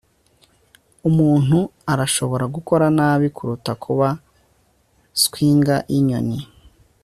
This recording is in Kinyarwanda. umuntu arashobora gukora nabi kuruta kuba swinger yinyoni